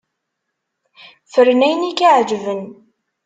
Fren ayen i k-iɛeǧben.